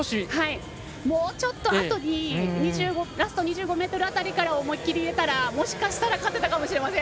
もうちょっとあとにラスト２５ｍ辺りから思いっきり入れたらもしかしたら勝てたかもしれません。